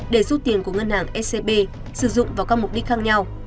để giúp tiền của ngân hàng scb sử dụng vào các mục đích khác nhau